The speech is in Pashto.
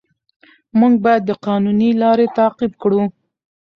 موږ باید قانوني لارې تعقیب کړو